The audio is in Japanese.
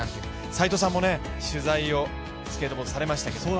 斎藤さんも取材をスケートボードされましたが。